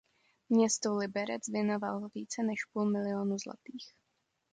Městu Liberec věnoval více než půl milionu zlatých.